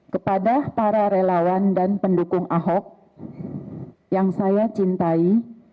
kepada para relawan dan pendukung ahok yang saya cintai